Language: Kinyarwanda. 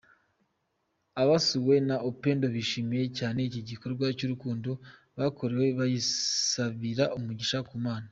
Abasuwe na Upendo bishimiye cyane iki gikorwa cy’urukundo bakorewe, bayisabira umugisha ku Mana.